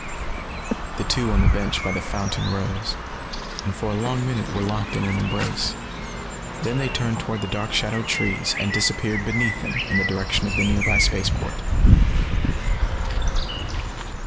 The two on the bench by the fountain rose, and for a long minute were locked in an embrace. Then they turned toward the dark shadowed trees and disappeared beneath them, in the direction of the nearby space port.